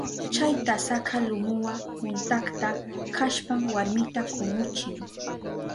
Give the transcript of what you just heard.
Chay tasaka lumuwa untakta kashpan warmita kumuchin.